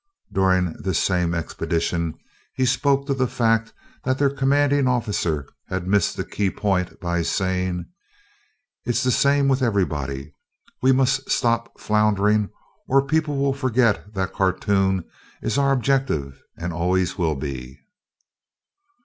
During this same expedition, he spoke of the fact that their commanding officer had missed the key point, by saying: "It's the same with everybody. We must stop floundering, or people will forget that Khartoum is our objective and always will be."